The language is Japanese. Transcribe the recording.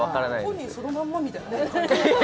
本人そのまんまみたいな。